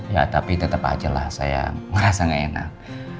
ya tapi tetap aja lah saya ngerasa gak enak